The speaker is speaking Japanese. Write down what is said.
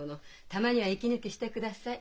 たまには息抜きしてください。